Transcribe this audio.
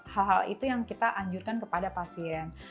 hal hal itu yang kita anjurkan kepada pasien